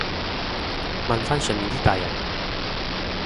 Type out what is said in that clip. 問返上面啲大人